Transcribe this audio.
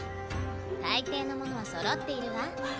大抵のものはそろっているわ。